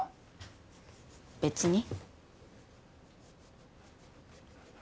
別に。